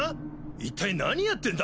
一体何やってんだ？